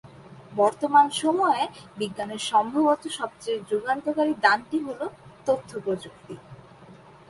বর্তমান সময়ে বিজ্ঞানের সম্ভবত সবচেয়ে যুগান্তকারী দানটি হল তথ্যপ্রযুক্তি।